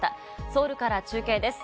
ソウルから中継です。